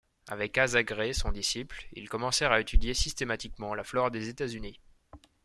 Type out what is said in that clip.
Avec Asa Gray, son disciple, ils commencent à étudier systématiquement la flore des États-Unis.